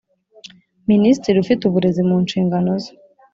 Minisitiri ufite uburezi mu nshingano ze